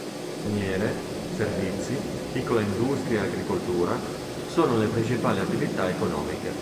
Miniere, servizi, piccola industria e agricoltura sono le principali attività economiche.